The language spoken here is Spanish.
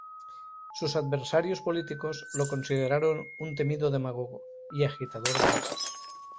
Sus adversarios políticos lo consideraron un temido demagogo y agitador de masas.